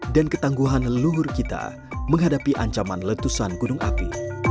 dan ketangguhan leluhur kita menghadapi ancaman letusan gunung api